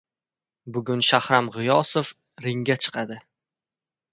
Bugun Shahram G‘iyosov ringga chiqadi